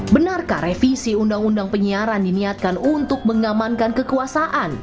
benarkah revisi undang undang penyiaran diniatkan untuk mengamankan kekuasaan